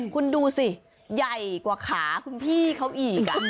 คุณดูสิใหญ่กว่าขาคุณพี่เขาอีก